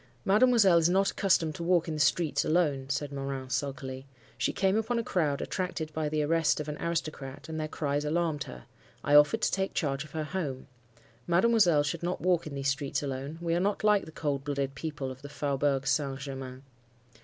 "'Mademoiselle is not accustomed to walk in the streets alone,' said Morin, sulkily. 'She came upon a crowd attracted by the arrest of an aristocrat, and their cries alarmed her. I offered to take charge of her home. Mademoiselle should not walk in these streets alone. We are not like the cold blooded people of the Faubourg Saint Germain.